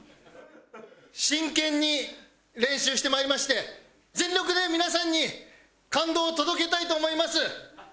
真剣に練習してまいりまして全力で皆さんに感動を届けたいと思います。